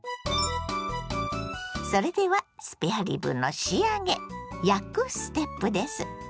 それではスペアリブの仕上げ「焼く」ステップです。